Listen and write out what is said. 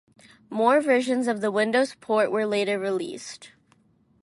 More versions of the Windows port were later released.